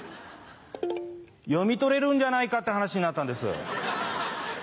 読み取れるんじゃないかって話になったんです。